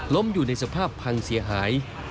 อยู่ในสภาพพังเสียหาย